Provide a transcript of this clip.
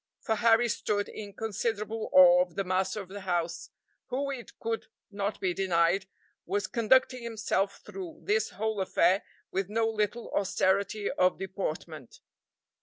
for Harry stood in considerable awe of the master of the house, who, it could not be denied, was conducting himself through this whole affair with no little austerity of deportment.